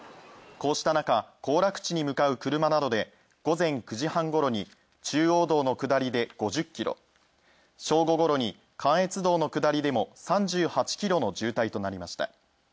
こうした中、行楽地に向かう車などで午前９時半頃に中央道の下りで５０キロ正午頃に関越道の下りでも３８キロの渋滞となりました。